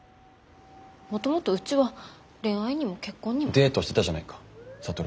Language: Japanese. もともとうちは恋愛にも結婚にも。デートしてたじゃないか智と。